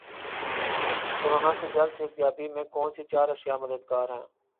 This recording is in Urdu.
کورونا سے جلد صحت یابی میں کون سی چار اشیا مددگار ہیں